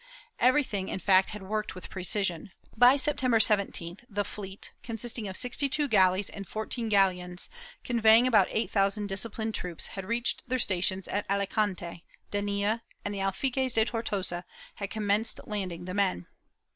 ^ Everything, in fact, had worked with precision. By September 17th the fleet, consisting of sixty two galleys and fourteen galleons, conveying about eight thousand disciplined troops, had reached their stations at Alicante, Denia and the Alfaques de Tortosa, and had commenced landing the men.